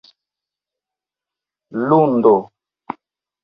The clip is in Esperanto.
lundo